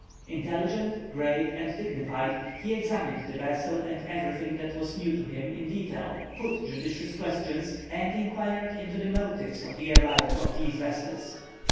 Intelligent, grave, and dignified, he examined the vessel and everything that was new to him in detail, put judicious questions, and inquired into the motives of the arrival of these vessels.